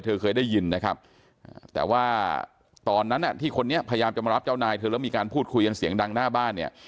เคยได้ยินนะครับแต่ว่าตอนนั้นที่คนนี้พยายามจะมารับเจ้านายเธอแล้วมีการพูดคุยกันเสียงดังหน้าบ้านเนี่ย